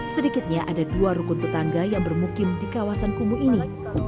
sedikitnya ada dua rukun tetangga yang bermukim di kawasan kumuh ini